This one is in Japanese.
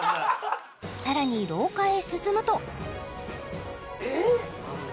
さらに廊下へ進むとえーっ？